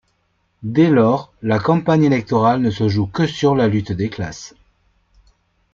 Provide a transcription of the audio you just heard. Dès lors, la campagne électorale ne se joue que sur la lutte des classes.